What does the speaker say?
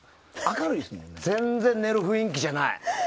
全然寝る雰囲気じゃない。